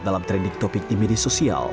dalam trending topik imedi sosial